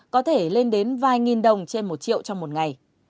có thể lên đến vài nghìn đồng trên một triệu trong một ngày